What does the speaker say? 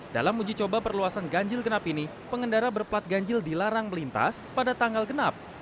dalam uji coba perluasan ganjil genap ini pengendara berplat ganjil dilarang melintas pada tanggal genap